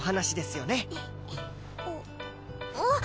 あっ！